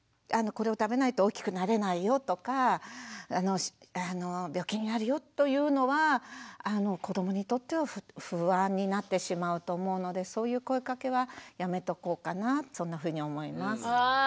「これを食べないと大きくなれないよ」とか「病気になるよ」というのは子どもにとっては不安になってしまうと思うのでそういう声かけはやめとこうかなそんなふうに思います。